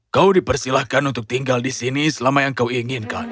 kau dipersilahkan untuk tinggal di sini selama yang kau inginkan